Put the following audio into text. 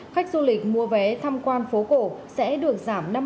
khách du lịch mua vé tham quan phố cổ sẽ được giảm năm mươi